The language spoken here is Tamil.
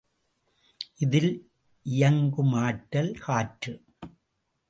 இதில் இயங்குமாற்றல் காற்று.